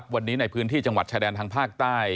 วันนี้ในพื้นที่จังหวัดชายแดนทางภาคใต้